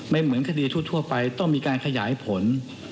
เหมือนคดีทั่วไปต้องมีการขยายผล